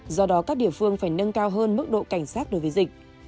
do đó các địa phương phải nâng cao hơn mức độ cảnh sát đối với dịch